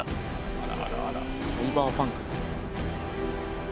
あらあらあら『サイバーパンク』みたい。